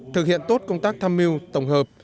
thực hiện tốt công tác tham mưu tổng hợp